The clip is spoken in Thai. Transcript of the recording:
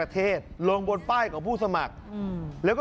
ไปเจอป้ายผู้สมัครสอสอมาติดตั้งมีปากกาด้วยนะ